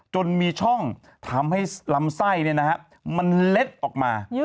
จนมีช่องทำให้ลำไส้มันเล็ดออกมา